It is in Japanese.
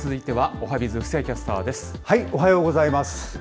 おはようございます。